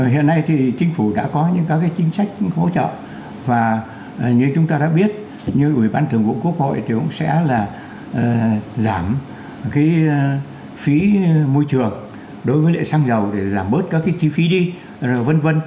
hiện nay thì chính phủ đã có những các chính sách hỗ trợ và như chúng ta đã biết như ủy ban thường vụ quốc hội thì cũng sẽ là giảm cái phí môi trường đối với lệ xăng dầu để giảm bớt các chi phí đi v v